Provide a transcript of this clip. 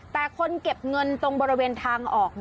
แต่คนเก็บเงินตรงบริเวณทางออก